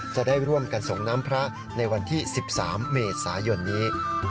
จะได้ร่วมกันส่งน้ำพระในวันที่๑๓เมษายนนี้